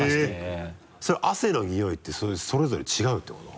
へぇそれ汗の匂いってそれぞれ違うってこと？